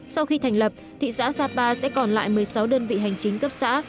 sau khi thành lập thị xã sapa sẽ còn lại một mươi sáu đơn vị hành chính cấp xã